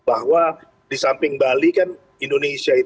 bahwa di samping bali kan indonesia itu